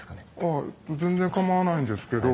はい全然構わないんですけど。